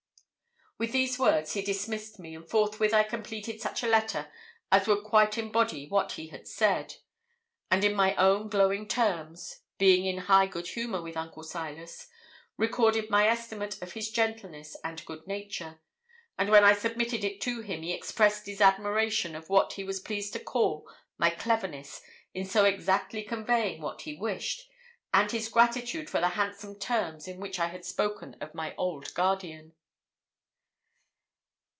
With these words he dismissed me; and forthwith I completed such a letter as would quite embody what he had said; and in my own glowing terms, being in high good humour with Uncle Silas, recorded my estimate of his gentleness and good nature; and when I submitted it to him, he expressed his admiration of what he was pleased to call my cleverness in so exactly conveying what he wished, and his gratitude for the handsome terms in which I had spoken of my old guardian.